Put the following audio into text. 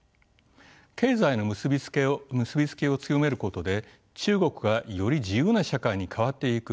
経済の結び付きを強めることで中国がより自由な社会に変わっていく。